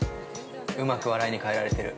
うまく笑いに変えられてる。